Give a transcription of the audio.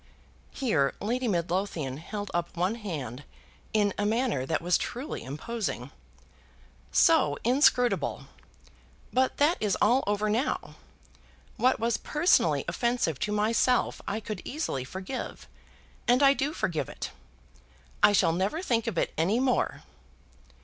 Here Lady Midlothian held up one hand in a manner that was truly imposing; "so inscrutable! But that is all over now. What was personally offensive to myself I could easily forgive, and I do forgive it. I shall never think of it any more."